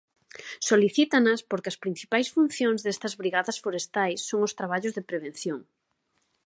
Solicítanas porque as principais funcións destas brigadas forestais son os traballos de prevención.